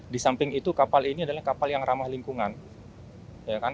di samping itu kapal ini adalah kapal yang ramah lingkungan